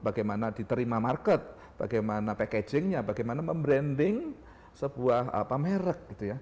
bagaimana diterima market bagaimana packagingnya bagaimana membranding sebuah merek gitu ya